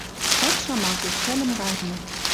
Лач шамакеш. Пӓлӹм ганьы.